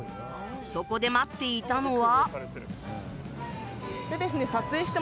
そこで待っていたのは